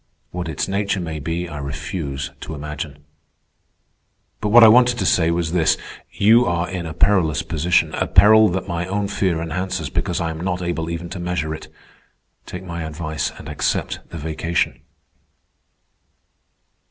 What its nature may be I refuse to imagine. But what I wanted to say was this: You are in a perilous position—a peril that my own fear enhances because I am not able even to measure it. Take my advice and accept the vacation."